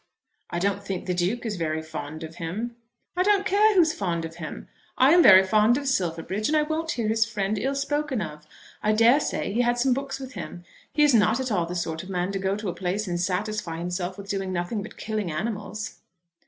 "I don't think the Duke is very fond of him." "I don't care who is fond of him. I am very fond of Silverbridge, and I won't hear his friend ill spoken of. I dare say he had some books with him. He is not at all the sort of a man to go to a place and satisfy himself with doing nothing but killing animals."